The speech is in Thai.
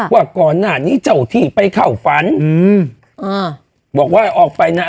ว่าก่อนหน้านี้เจ้าที่ไปเข้าฝันอืมอ่าบอกว่าออกไปน่ะ